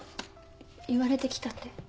言われてきたって？